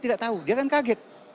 tidak tahu dia kan kaget